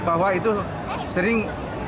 bahwa itu sering terbakar di rumahnya